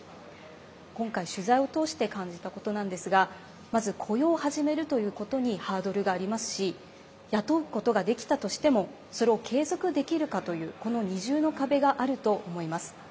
今回取材を通して感じたことなんですがまず雇用を始めるということにハードルがありますし雇うことができたとしてもそれを継続できるかというこの二重の壁があると思います。